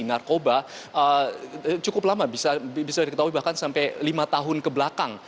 narkoba cukup lama bisa diketahui bahkan sampai lima tahun kebelakang